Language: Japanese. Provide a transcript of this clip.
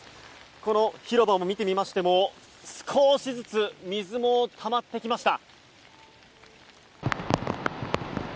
この広場を見てみましても少しずつ水もたまってきました。